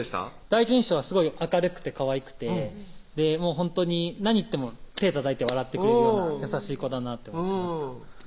第一印象は明るくてかわいくてほんとに何言っても手たたいて笑ってくれるような優しい子だなって思ってました